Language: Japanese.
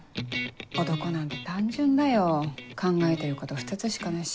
男なんて単純だよ考えてること２つしかないし。